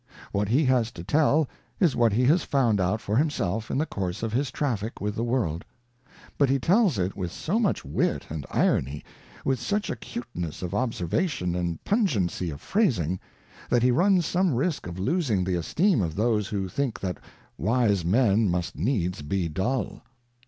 What he has to tell is what he has found out for himself in the course of his traffic with the world ; but he tells it with so much wit and irony, with such acute ness of observation and pungency of phrasing, that he runs some risk of losing the esteem of those who think that wise men must needs be dull.